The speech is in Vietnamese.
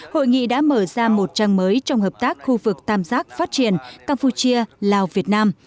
hội nghị đã mở ra một trang mới trong hợp tác khu vực tam giác phát triển campuchia lào việt nam